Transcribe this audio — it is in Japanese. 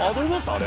あれ。